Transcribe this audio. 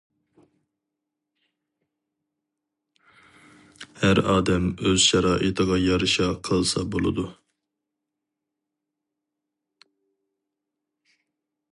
ھەر ئادەم ئۆز شارائىتىغا يارىشا قىلسا بولىدۇ.